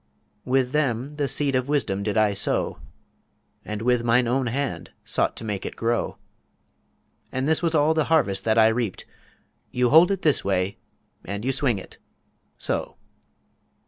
With them the seed of Wisdom did I sow, And with mine own hand sought to make it grow; And this was all the Harvest that I reaped: "You hold it This Way, and you swing it So."